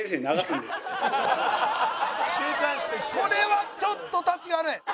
これはちょっとたちが悪い！